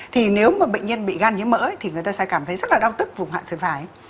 thì nếu mà bệnh nhân bị gan nhiễm mỡ thì người ta sẽ cảm thấy rất là đau tức vùng hạn sử vải